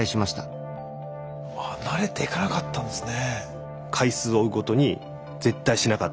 あ慣れていかなかったんですね。